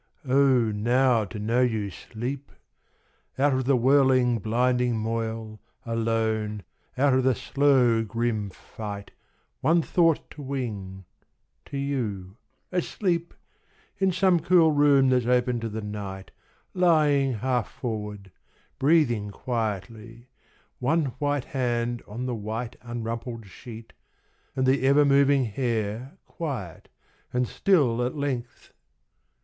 Oh, now to know you sleep! Out of the whirling blinding moil, alone, Out of the slow grim fight, One thought to wing to you, asleep, In some cool room that's open to the night Lying half forward, breathing quietly, One white hand on the white Unrumpled sheet, and the ever moving hair Quiet and still at length!